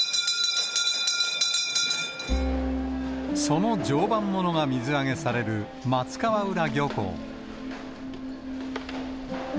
その常磐ものが水揚げされる、松川浦漁港。